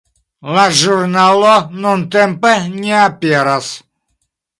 La ĵurnalo nuntempe ne aperas.